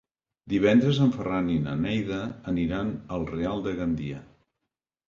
Divendres en Ferran i na Neida aniran al Real de Gandia.